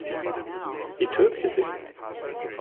He chewed his lip.